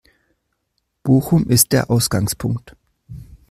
Bochum ist der Ausgangspunkt.